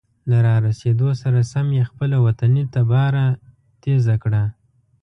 له را رسیدو سره سم یې خپله وطني تباره تیزه کړه.